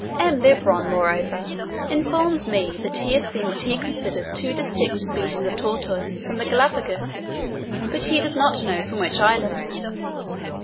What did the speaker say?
M. Bibron, moreover, informs me that he has seen what he considers two distinct species of tortoise from the Galapagos, but he does not know from which islands.